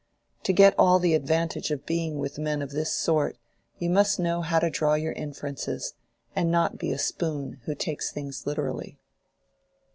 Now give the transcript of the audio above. To get all the advantage of being with men of this sort, you must know how to draw your inferences, and not be a spoon who takes things literally.